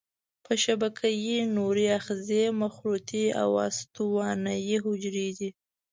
په شبکیه کې نوري آخذې مخروطي او استوانه یي حجرې دي.